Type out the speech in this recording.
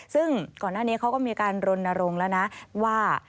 ซึ่งข้อน่านนี้เขาก็มีการกำลังละนะว่า